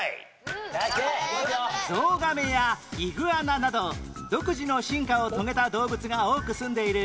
ゾウガメやイグアナなど独自の進化を遂げた動物が多く住んでいる